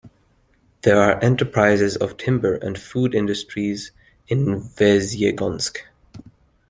There are enterprises of timber and food industries in Vesyegonsk.